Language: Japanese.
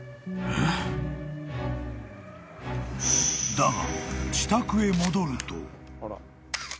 ［だが］